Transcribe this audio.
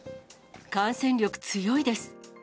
感染力強いです。